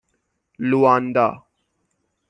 لوآندا